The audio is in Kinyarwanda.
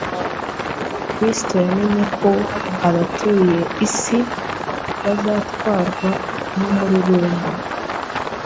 Kristo yamenye ko abatuye isi bazatwarwa n’umururumba,